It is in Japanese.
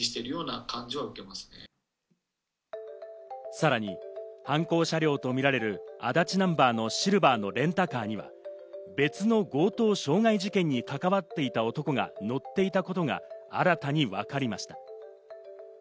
さらに、犯行車両とみられる足立ナンバーのシルバーのレンタカーには、別の強盗傷害事件に関わっていた男が乗っていたことが新たに分かりました。